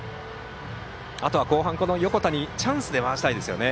あとは後半、横田にチャンスで回したいですね。